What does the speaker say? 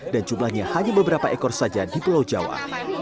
dan jumlahnya hanya beberapa ekor saja di pulau jawa